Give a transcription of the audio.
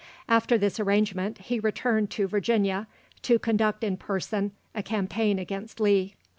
After this arrangement, he returned to Virginia, to conduct in person a campaign against Lee.